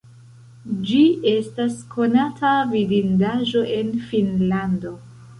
Ĝi estas konata vidindaĵo en Finnlando.